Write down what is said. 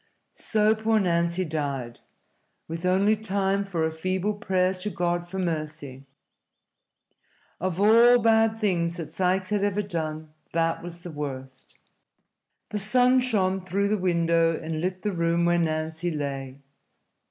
So poor Nancy died, with only time for a feeble prayer to God for mercy. Of all bad deeds that Sikes had ever done, that was the worst. The sun shone through the window and lit the room where Nancy lay.